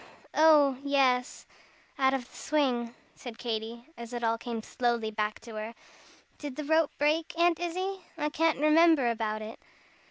Oh, yes out of the swing," said Katy, as it all came slowly back to her. "Did the rope break, Aunt Izzie? I can't remember about it."